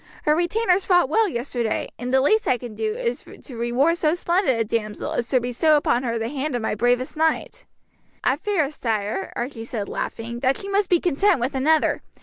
Her retainers fought well yesterday, and the least I can do to reward so splendid a damsel is to bestow upon her the hand of my bravest knight." "I fear, sire," Archie said laughing, "that she must be content with another.